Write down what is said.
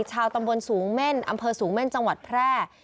ชาวตำบลสูงเม่นอำเภอสูงเม่นจังหวัดแพร่